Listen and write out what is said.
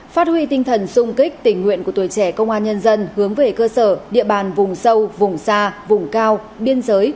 phát huy tinh thần sung kích tình nguyện của tuổi trẻ công an nhân dân hướng về cơ sở địa bàn vùng sâu vùng xa vùng cao biên giới